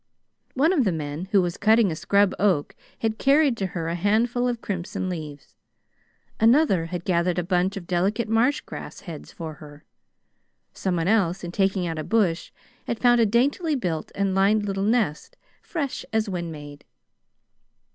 One of the men, who was cutting a scrub oak, had carried to her a handful of crimson leaves. Another had gathered a bunch of delicate marsh grass heads for her. Someone else, in taking out a bush, had found a daintily built and lined little nest, fresh as when made.